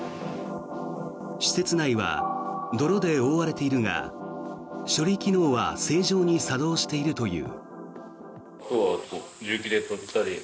施設内は泥で覆われているが処理機能は正常に作動しているという。